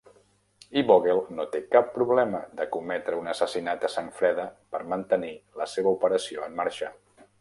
I Vogel no té cap problema de cometre un assassinat a sang freda per mantenir la seva operació en marxa.